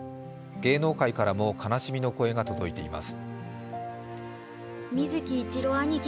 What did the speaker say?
芸能界からも悲しみの声が届いています。